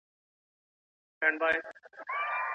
ناوړه عرفونه مو د واده مخه نيسي.